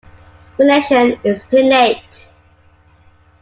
Venation is pinnate.